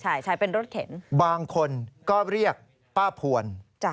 ใช่ใช้เป็นรถเข็นบางคนก็เรียกป้าพวน